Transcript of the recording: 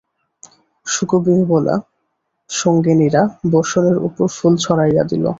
শোকবিহ্বলা সঙ্গিনীরা বসনের উপর ফুল ছড়াইয়া দিল।